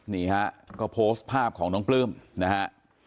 นี่ฮะก็โพสต์ภาพของน้องปลื้มนะฮะ